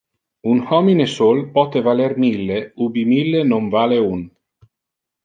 Un homine sol pote valer mille, ubi mille non vale un.